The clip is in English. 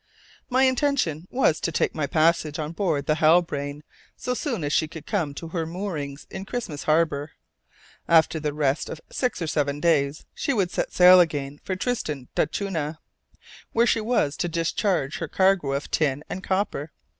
My intention was to take my passage on board the Halbrane so soon as she should come to her moorings in Christmas Harbour. After a rest of six or seven days, she would set sail again for Tristan d'Acunha, where she was to discharge her cargo of tin and copper.